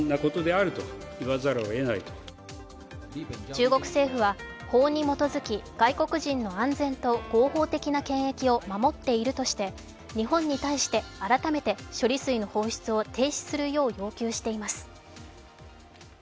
中国政府は、法に基づき外国人の安全と合法的な権益を守っているとして、日本に対して改めて処理水の放出を停止するよう要求しています。